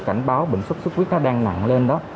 cảnh báo bệnh sốt sốt huyết nó đang nặng lên đó